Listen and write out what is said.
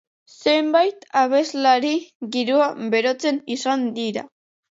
Zenbait abeslari giroa berotzen izan dira.